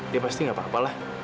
dia pasti gak apa apalah